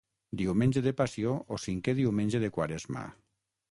Diumenge de Passió o Cinquè Diumenge de Quaresma.